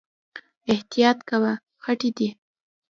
احتياط کوه، خټې دي